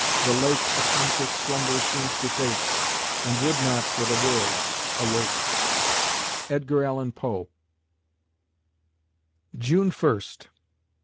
the lake A conscious slumber seems to take, And would not, for the world, awake. EDGAR ALLAN POE June First